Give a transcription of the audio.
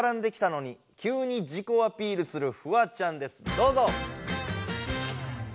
どうぞ！ね